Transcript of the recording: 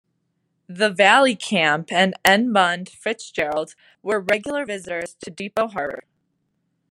The "Valley Camp" and "Edmund Fitzgerald" were regular visitors to Depot Harbour.